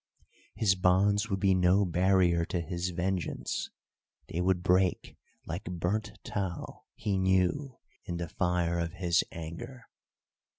His bonds would be no barrier to his vengeance; they would break like burnt tow, he knew, in the fire of his anger.